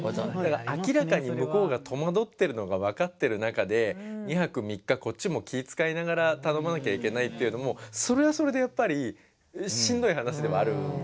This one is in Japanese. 明らかに向こうが戸惑ってるのが分かってる中で２泊３日こっちも気ぃ遣いながら頼まなきゃいけないっていうのもそれはそれでやっぱりしんどい話ではあるんですよ。